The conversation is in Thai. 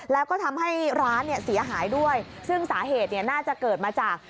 แล้วก็ทำให้ร้านเนี่ยเสียหายด้วยซึ่งสาเหตุเนี่ยน่าจะเกิดมาจาก